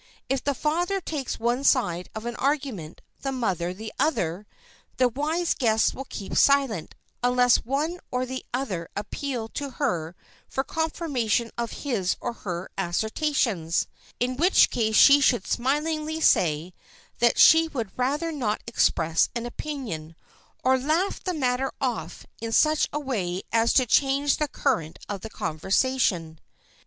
If the father takes one side of an argument, the mother the other, the wise guest will keep silent, unless one or the other appeal to her for confirmation of his or her assertions,—in which case she should smilingly say that she would rather not express an opinion, or laugh the matter off in such a way as to change the current of the conversation.